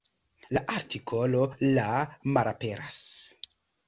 La artikolo "la" malaperas.